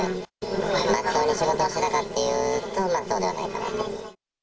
まっとうに仕事をしてたかというと、そうではないかなと。